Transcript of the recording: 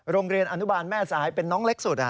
โรงเรียนอนุบาลแม่สายเป็นน้องเล็กสุด